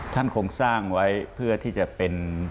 ท่านคงสร้างไว้เพื่อที่จะเป็น